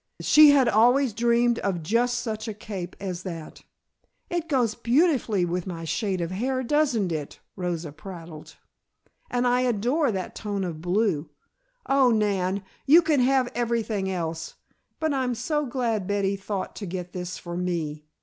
She had always dreamed of just such a cape as that. "It goes beautifully with my shade of hair, doesn't it," Rosa prattled. "And I adore that tone of blue. Oh, Nan, you can have everything else, but I'm so glad Betty thought to get this for me!